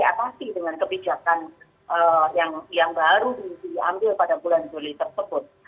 apakah itu bisa diatasi dengan kebijakan yang baru diambil pada bulan juli tersebut